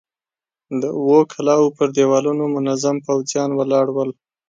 د اوو کلاوو پر دېوالونو منظم پوځيان ولاړ ول.